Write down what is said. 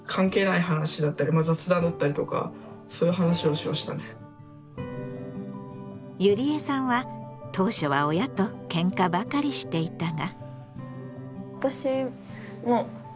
何かほんとにゆりえさんは当初は親とけんかばかりしていたが。